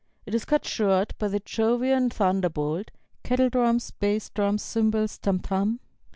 It is cut short by the Jovian thunderbolt (kettle drums, bass drum, cymbals, tam tam).